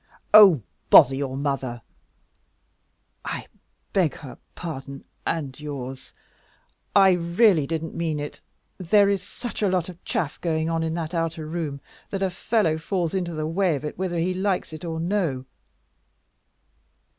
"Oh, bother your mother! I beg her pardon and yours; I really didn't mean it. There is such a lot of chaff going on in that outer room, that a fellow falls into the way of it whether he likes it or no."